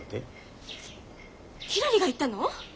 ひらりが言ったの！？